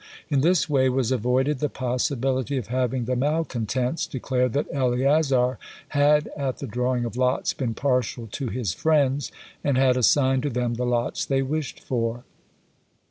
In this way was avoided the possibility of having the malcontents declare that Eleazar had, at the drawing of lots, been partial to his friends and had assigned to them the lots they wished for.